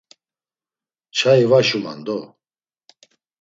Çayi va şuman do…